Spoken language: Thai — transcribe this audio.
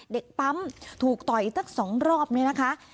เด็กปั๊มถูกต่อยสัก๒รอบเนี่ยนะคะ